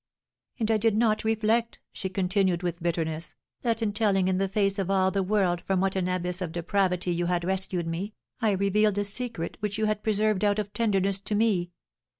"And I did not reflect," she continued, with bitterness, "that, in telling in the face of all the world from what an abyss of depravity you had rescued me, I revealed a secret which you had preserved out of tenderness to me!